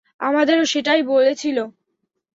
আমাদেরও সেটাই বলেছিল।